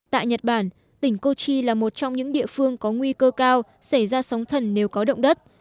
tại nhật bản tỉnh kochi là một trong những địa phương có nguy cơ cao xảy ra sóng thần nếu có động đất